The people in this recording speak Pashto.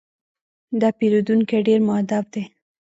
دا پیرودونکی ډېر مؤدب دی.